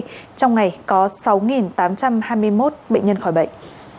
trong ngày có sáu tám trăm hai mươi một bệnh nhân khỏi bệnh